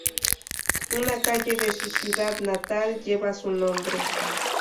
Una calle de su ciudad natal lleva su nombre.